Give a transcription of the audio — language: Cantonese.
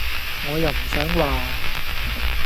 我又唔想話